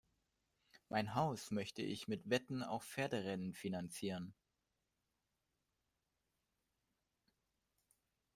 Mein Haus möchte ich mit Wetten auf Pferderennen finanzieren.